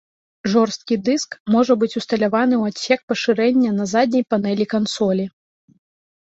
Жорсткі дыск можа быць усталяваны ў адсек пашырэння на задняй панэлі кансолі.